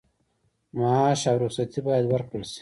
معاش او رخصتي باید ورکړل شي.